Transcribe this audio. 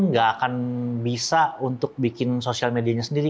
tidak akan bisa untuk membuat sosial media sendiri